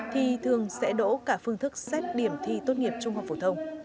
thì thường sẽ đỗ cả phương thức xét điểm thi tốt nghiệp trung học phổ thông